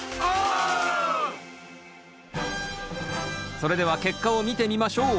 それでは結果を見てみましょう。